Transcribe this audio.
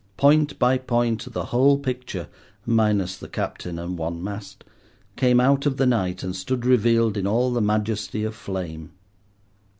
Point by point the whole picture—minus the captain and one mast—came out of the night, and stood revealed in all the majesty of flame.